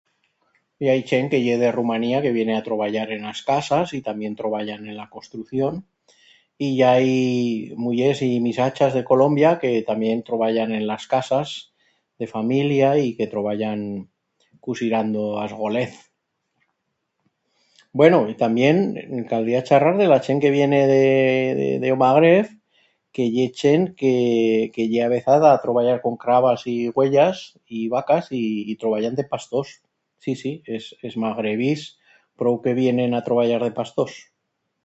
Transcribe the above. I hai chent que ye de Rumanía que viene a troballar en as casas y tamién troballan en la construcción. Y i hai mullers y misachas de Colombia que tamién troballan en las casas de familia y que troballan cusirando a's golez. Bueno, y tamién caldría charrar de la chent que viene de... de o Magreb que ye chent que... que ye avezada a treballar con crabas y uellas... y vacas y... y troballan de pastors. Sí, si, es magrebís, prou que vienen a troballar de pastors.